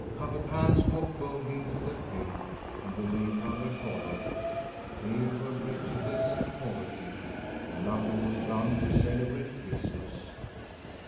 Abbot Hans walked boldly into the cave, and the lay brother followed. Here were wretchedness and poverty! and nothing was done to celebrate Christmas.